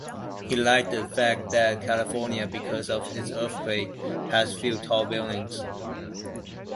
He liked the fact that California, because of its earthquakes, had few tall buildings.